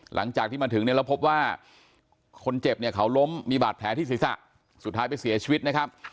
หลังจากที่มาถึงเนี่ยเราพบว่าคนเจ็บเนี่ยเขาล้มมีบาดแผลที่ศีรษะสุดท้ายไปเสียชีวิตนะครับ